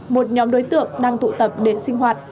một nhóm đối tượng đang tụ tập để sinh hoạt